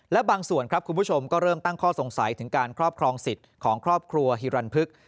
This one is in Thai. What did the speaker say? และบางส่วนครับคุณผู้ชมก็เริ่มตั้งข้อสงสัยถึงการครอบครองสิทธิ์ของครอบครัวฮิรันพึก